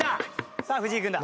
さあ藤井君だ。